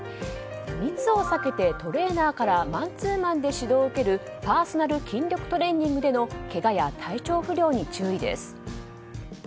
密を避けて、トレーナーからマンツーマンで指導を受けるパーソナル筋力トレーニングでのけがや体調不良に注意です。